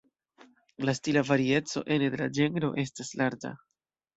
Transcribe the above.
La stila varieco ene de la ĝenro estas larĝa.